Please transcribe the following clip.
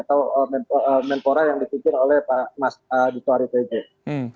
atau mentora yang dipimpin oleh mas dito aritejo